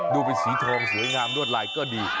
ดูเป็นสีทองสวยงามรวดลายก็ดี